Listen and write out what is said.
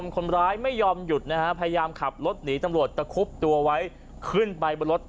คนร้ายไม่ยอมหยุดนะฮะพยายามขับรถหนีตำรวจตะคุบตัวไว้ขึ้นไปบนรถ